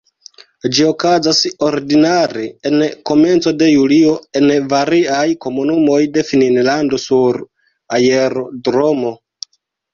Ĝi okazas ordinare en komenco de julio en variaj komunumoj de Finnlando sur aerodromo.